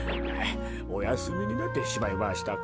おやすみになってしまいましたか。